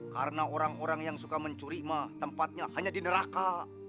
karena orang orang yang suka mencuri tempatnya hanya di neraka